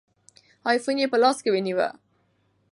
آیفون یې په لاس کې ونیوه.